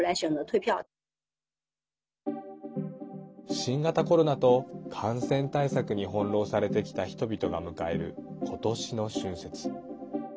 新型コロナと感染対策に翻弄されてきた人々が迎える今年の春節。